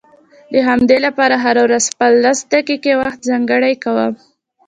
د همدې لپاره هره ورځ خپل لس دقيقې وخت ځانګړی کوم.